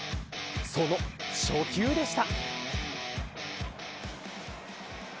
その初球でした。